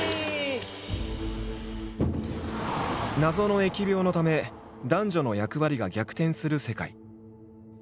謎の疫病のため男女の役割が逆転する世界。